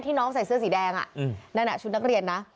น้องใส่เสื้อสีแดงนั่นชุดนักเรียนนะ